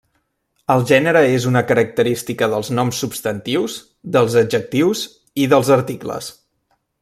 El gènere és una característica dels noms substantius, dels adjectius i dels articles.